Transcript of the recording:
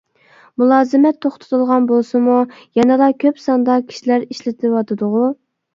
مۇلازىمەت توختىتىلغان بولسىمۇ يەنىلا كۆپ ساندا كىشىلەر ئىشلىتىۋاتىدىغۇ.